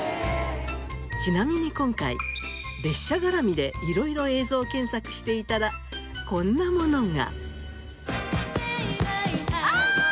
ちなみに今回列車絡みで色々映像検索していたらこんなものが。